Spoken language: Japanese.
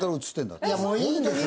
いやもういいんです。